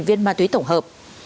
ba trăm linh bốn viên ma túy tổng hợp